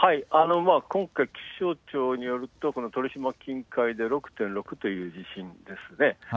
今回、気象庁によると鳥島近海で６．６という地震ですね。